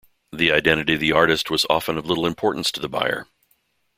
The identity of the artist was often of little importance to the buyer.